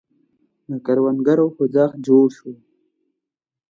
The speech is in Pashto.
د کروندګرو خوځښت جوړ شو.